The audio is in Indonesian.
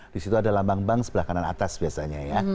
disitu ada lambang bank sebelah kanan atas biasanya ya